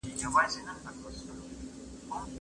که زده کوونکي وخت تنظیم کړي، فشار نه زیاتېږي.